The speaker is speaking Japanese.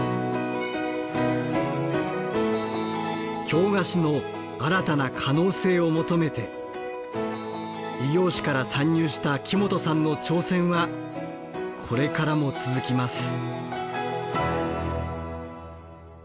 京菓子の新たな可能性を求めて異業種から参入した木本さんの挑戦はこれからも続きます。